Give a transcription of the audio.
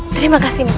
terima kasih nih mas